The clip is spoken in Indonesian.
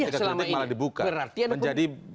ketika kritik malah dibuka